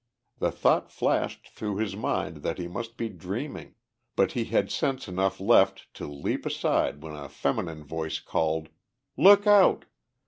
The thought flashed through his mind that he must be dreaming, but he had sense enough left to leap aside when a feminine voice called "Look out!"